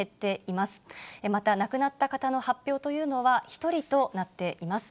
また亡くなった方の発表というのは１人となっています。